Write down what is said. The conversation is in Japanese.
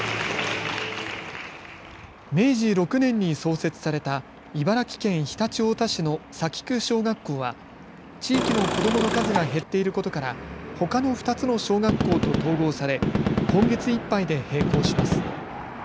明治６年に創設された茨城県常陸太田市の幸久小学校は地域の子どもの数が減っていることからほかの２つの小学校と統合され今月いっぱいで閉校します。